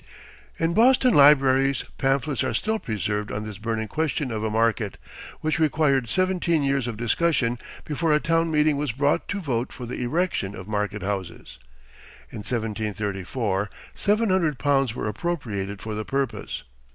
In Boston libraries, pamphlets are still preserved on this burning question of a market, which required seventeen years of discussion before a town meeting was brought to vote for the erection of market houses. In 1734, seven hundred pounds were appropriated for the purpose.